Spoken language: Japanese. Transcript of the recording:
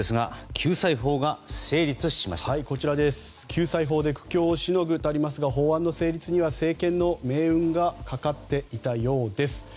救済法で苦境をしのぐとありますが法案の成立には政権の命運がかかっていたようです。